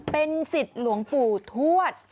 เป็นสิทธิ์หลวงปู่ทวด